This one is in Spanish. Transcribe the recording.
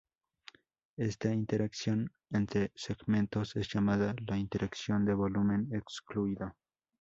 Esta interacción entre segmentos es llamada la interacción de volumen excluido.